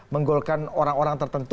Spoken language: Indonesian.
menggolkan orang orang tertentu